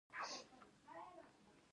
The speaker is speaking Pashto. ژبه د ملي وحدت اساس ده.